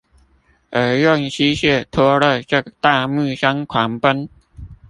而用機械拖了這大木箱狂奔